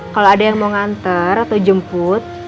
kalau ada yang mau nganter atau jemput